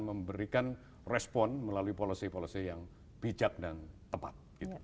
memberikan respon melalui policy policy yang bijak dan tepat